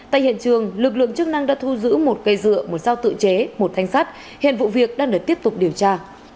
tại hiện trường lực lượng chức năng đã thu giữ một cây dựa một dao tự chế một thanh sắt hiện vụ việc đang được tiếp tục điều tra